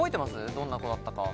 どんな子だったか。